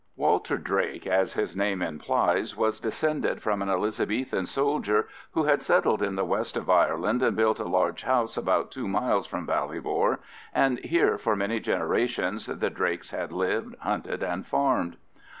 Walter Drake, as his name implies, was descended from an Elizabethan soldier who had settled in the west of Ireland and built a large house about two miles from Ballybor, and here for many generations the Drakes had lived, hunted, and farmed.